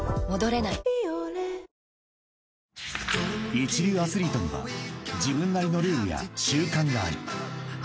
［一流アスリートには自分なりのルールや習慣がある］